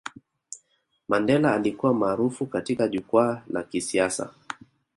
mandela alikuwa maarufu katika jukwaa la kisiasa